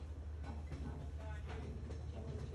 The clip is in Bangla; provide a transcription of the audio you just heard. আপনার শিক্ষকদের মধ্যে, সে এখন পর্যন্ত সেরা ছিল।